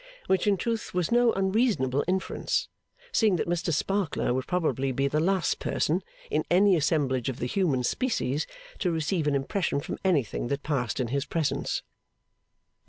Which in truth was no unreasonable inference; seeing that Mr Sparkler would probably be the last person, in any assemblage of the human species, to receive an impression from anything that passed in his presence.